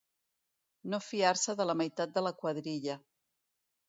No fiar-se de la meitat de la quadrilla.